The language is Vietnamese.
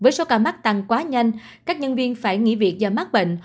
với số ca mắc tăng quá nhanh các nhân viên phải nghỉ việc do mắc bệnh